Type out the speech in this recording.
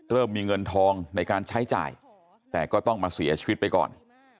เริ่มมีเงินทองในการใช้จ่ายแต่ก็ต้องมาเสียชีวิตไปก่อน